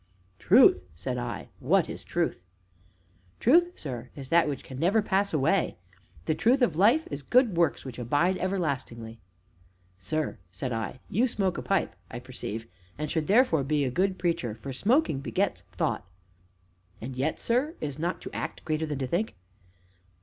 "Truth!" said I; "what is Truth?" "Truth, sir, is that which can never pass away; the Truth of Life is Good Works, which abide everlastingly." "Sir," said I, "you smoke a pipe, I perceive, and should, therefore, be a good preacher; for smoking begets thought " "And yet, sir, is not to act greater than to think?"